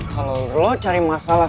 kalau lo cari masalah